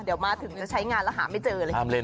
เดี๋ยวมาถึงจะใช้งานแล้วหาไม่เจอเลย